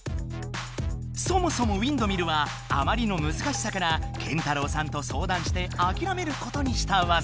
そもそもウインドミルはあまりのむずかしさからＫＥＮＴＡＲＡＷさんとそうだんしてあきらめることにしたわざ。